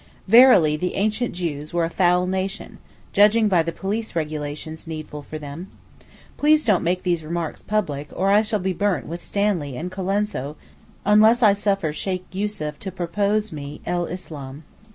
Verily the ancient Jews were a foul nation, judging by the police regulations needful for them. Please don't make these remarks public, or I shall be burnt with Stanley and Colenso (unless I suffer Sheykh Yussuf to propose me El Islam).